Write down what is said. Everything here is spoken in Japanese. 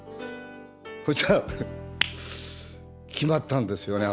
そしたら決まったんですよね